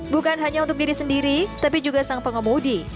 bukan hanya untuk diri sendiri tapi juga sang pengemudi